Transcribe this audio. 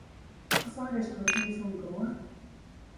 How far is Cochin from Goa?